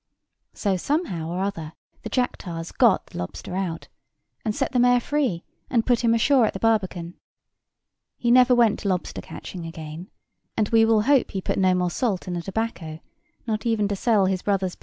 So somehow or other the Jack tars got the lobster out, and set the mayor free, and put him ashore at the Barbican. He never went lobster catching again; and we will hope he put no more salt in the tobacco, not even to sell his brother's beer.